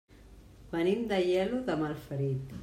Venim d'Aielo de Malferit.